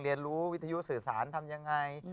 เรียนรู้วิทยุสื่อสารทำยังไง